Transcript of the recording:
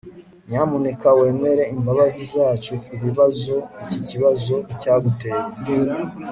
nyamuneka wemere imbabazi zacu kubibazo iki kibazo cyaguteye